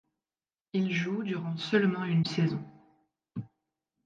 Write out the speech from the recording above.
Il joue durant seulement une saison.